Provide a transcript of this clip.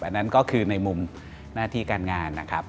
อันนั้นก็คือในมุมหน้าที่การงานนะครับ